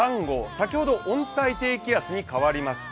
先ほど温帯低気圧に変わりました。